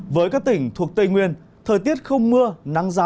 với các tỉnh thuộc tây nguyên thời tiết không mưa